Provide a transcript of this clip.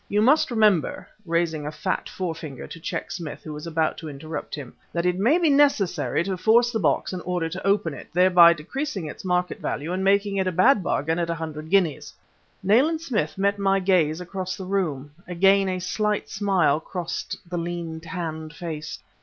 You must remember," raising a fat forefinger to check Smith, who was about to interrupt him, "that it may be necessary to force the box in order to open it, thereby decreasing its market value and making it a bad bargain at a hundred guineas." Nayland Smith met my gaze across the room; again a slight smile crossed the lean, tanned face.